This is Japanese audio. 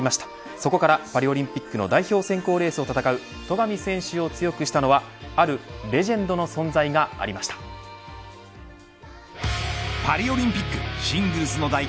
そこから、パリオリンピックの代表選考レースを戦う戸上選手を強くしたのはあるレジェンドの存在がパリオリンピックシングルスの代表